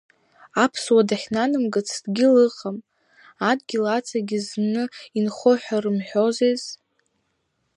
Аԥсуа дахьнанамгац дгьыл ыҟам, Адгьыл Аҵагьы зны инхон ҳәа рымҳәозиз…